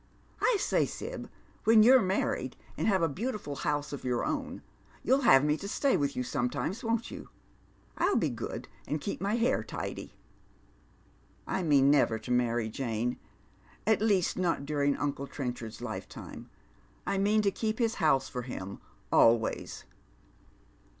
" I say. Sib, when you're married, and have a beautiful house of your own, you'll have me to stay with you sometimes, won't you ? I'll be good, and keep my hair tidy." " 1 mean never to marry, Jane ; at least, not during unci* Trenchard's lifetime. I mean to keep his house for him, always."